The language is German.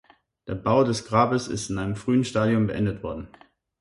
Der Bau des Grabes ist in einem frühen Stadium beendet worden.